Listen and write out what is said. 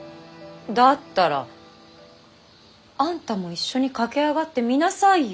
だったらあんたも一緒に駆け上がってみなさいよ。